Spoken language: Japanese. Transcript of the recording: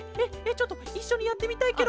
ちょっといっしょにやってみたいケロ！